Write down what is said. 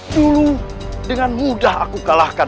dulu dengan mudah aku kalahkan